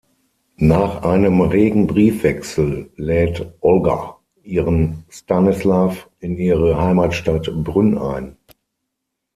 Nach einem regen Briefwechsel lädt Olga ihren Stanislav in ihre Heimatstadt Brünn ein.